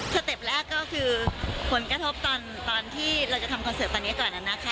เต็ปแรกก็คือผลกระทบตอนที่เราจะทำคอนเสิร์ตตอนนี้ก่อนนะคะ